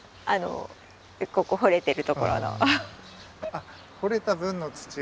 あっ掘れた分の土を。